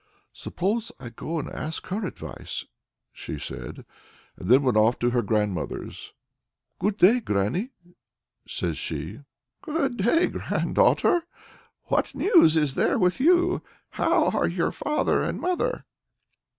"Suppose I go and ask her advice," she said, and then went off to her grandmother's. "Good day, granny!" says she. "Good day, granddaughter! What news is there with you? How are your father and mother?"